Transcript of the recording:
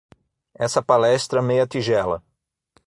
Essa palestra meia-tigela